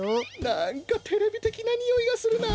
なんかテレビてきなにおいがするな。